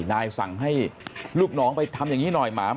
นายสั่งให้ลูกน้องไปทำอย่างนี้หน่อยหมา